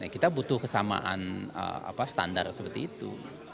kita butuh kesamaan standar seperti itu